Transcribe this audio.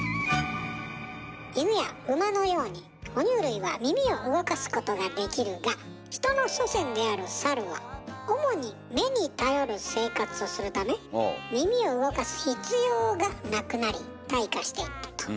イヌやウマのようにほ乳類は耳を動かすことができるがヒトの祖先であるサルは主に目に頼る生活をするため耳を動かす必要がなくなり退化していったと。